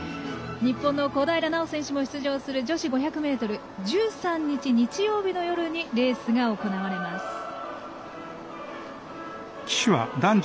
日本の小平奈緒選手も出場する女子５００ｍ１３日、日曜日の夜にレースが行われます。